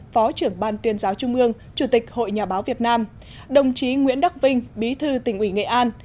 phó trưởng ban tuyên giáo trung ương chủ tịch hội nhà báo việt nam đồng chí nguyễn đắc vinh bí thư tỉnh ủy nghệ an